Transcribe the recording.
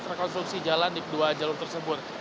rekonstruksi jalan di kedua jalur tersebut